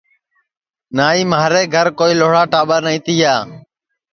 نائی مھارے گھر کوئی لھوڑا ٹاٻر نائی تیا